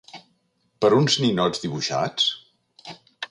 ¿Per uns ninots dibuixats?